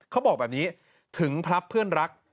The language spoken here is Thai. เขาบอกแบบนี้ถึงพลับเพื่อนรัก